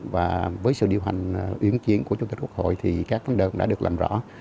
và với sự điều hành uyến kiến của chương trình quốc hội thì các vấn đề cũng đã được làm rõ